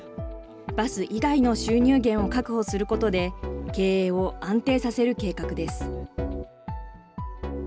バス以外の収入源を確保することで、経営を安定させる計画です。